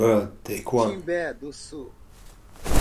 Timbé do Sul